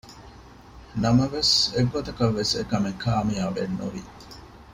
ނަމަވެސް އެއްގޮތަކަށްވެސް އެކަމެއް ކާމިޔާބެއް ނުވި